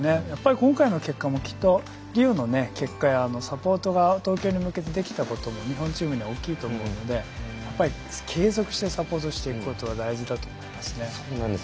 今回の結果もきっとリオの結果やサポートが東京に向けてできたことも日本チームは大きいと思うので継続してサポートすることが大事だと思います。